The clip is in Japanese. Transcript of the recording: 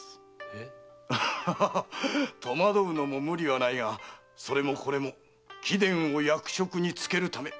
とまどうのも無理はないがそれもこれも貴殿を役職に就けるため。